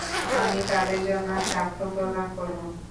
আমি তাঁদের জন্য সাক্ষ্য প্রদান করব।